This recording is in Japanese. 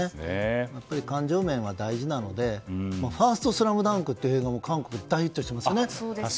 やっぱり感情面は大事なので「ＳＬＡＭＤＵＮＫ」も韓国、大ヒットしてますよね。